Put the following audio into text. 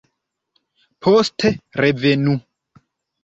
Poste revenu.